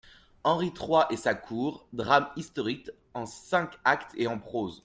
=Henri trois et sa cour.= Drame historique en cinq actes et en prose.